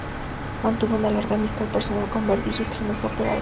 Mantuvo una larga amistad personal con Verdi, y estrenó su ópera Aroldo.